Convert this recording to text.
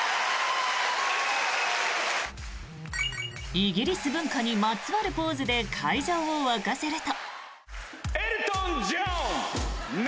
イギリス文化にまつわるポーズで会場を沸かせると。